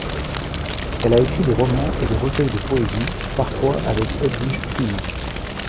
Elle a écrit des romans et des recueils de poésie, parfois avec Hedwig Kym.